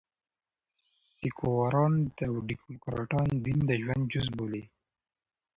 سیکواران او ډيموکراټان دین د ژوند جزء بولي.